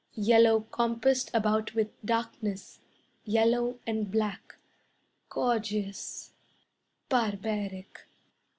Yellow compassed about with darkness, Yellow and black, Gorgeous barbaric.